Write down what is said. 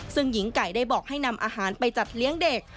ซึ่งหญิงไก่ได้บอกให้นำอาหารไปจัดเลี้ยงเด็ก